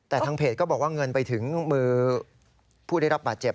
แต่ทางเพจก็บอกว่าเงินไปถึงมือผู้ได้รับบาดเจ็บ